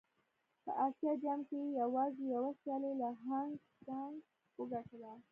په اسيا جام کې يې يوازې يوه سيالي له هانګ کانګ وګټله.